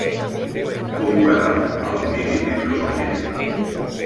Com puc anar a l'Albi dimecres a la nit?